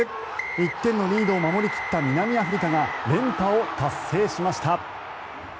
１点のリードを守り切った南アフリカが連覇を達成しました。